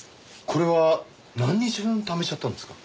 これは何日分ためちゃったんですか？